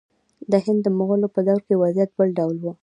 د هند د مغولو په دور کې وضعیت بل ډول و.